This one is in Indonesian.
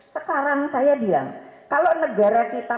sekarang saya bilang kalau negara kita